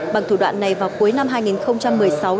bằng thủ đoạn này vào cuối năm hai nghìn một mươi sáu